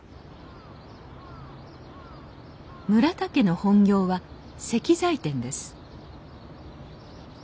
村田家の本業は石材店です